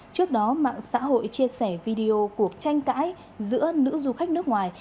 trước đó mạng xã hội chia sẻ video cuộc tranh cãi giữa nữ du khách nước ngoài